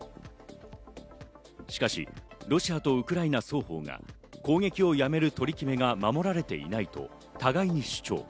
しかしロシアとウクライナ双方が攻撃をやめる取り決めが守られていないと互いに主張。